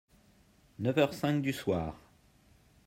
Neuf heures cinq du soir.